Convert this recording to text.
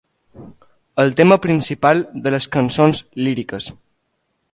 El tema principal de les cançons líriques.